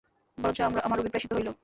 বরঞ্চ আমার অভিপ্রায় সিদ্ধ হইল।